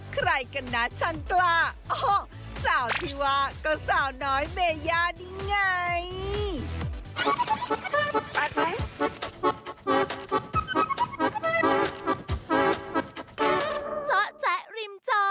ใครกันนะชันกล้าโอ้โหสาวที่ว่าก็สาวน้อยเมย่านี่ไง